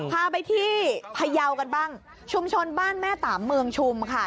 พาไปที่พยาวกันบ้างชุมชนบ้านแม่ตามเมืองชุมค่ะ